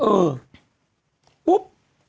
เออปุ๊บ